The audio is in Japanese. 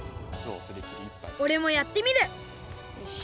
おれもやってみる！